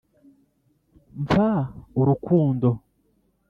mpfa urukundo,